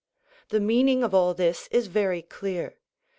The meaning of all this is very clear.